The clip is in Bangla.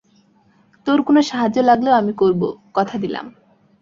তোর কোন সাহায্য লাগলেও আমি করব, কথা দিলাম।